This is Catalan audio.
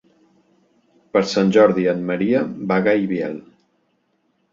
Per Sant Jordi en Maria va a Gaibiel.